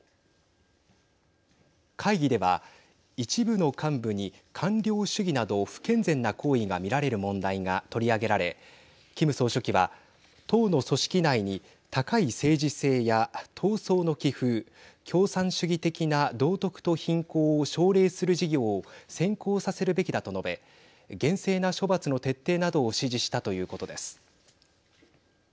会議では一部の幹部に官僚主義など不健全な行為が見られる問題が取り上げられキム総書記は党の組織内に高い政治性や闘争の気風共産主義的な道徳と貧困を奨励する事業を先行させるべきだと述べ厳正な処罰の徹底などを指示したということです。